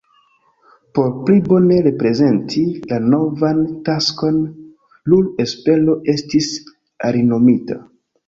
Por pli bone reprezenti la novan taskon, Ruhr-Espero estis alinomita.